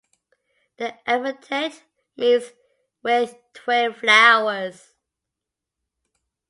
The epithet means "with twin flowers".